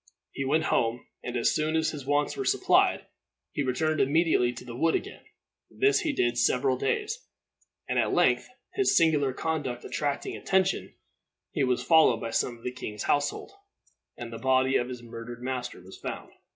He went home, and, as soon as his wants were supplied, he returned immediately to the wood again. This he did several days; and at length his singular conduct attracting attention, he was followed by some of the king's household, and the body of his murdered master was found.